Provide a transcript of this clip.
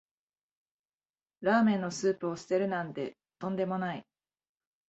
ラーメンのスープを捨てるなんてとんでもない